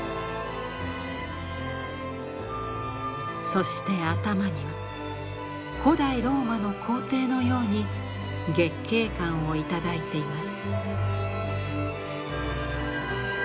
そして頭には古代ローマの皇帝のように月桂冠を頂いています。